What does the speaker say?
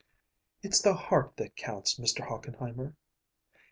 "It's the heart that counts, Mr. Hochenheimer."